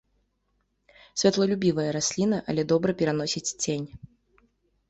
Святлолюбівая расліна, але добра пераносіць цень.